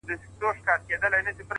پایله د نیت او عمل ګډه مېوه ده؛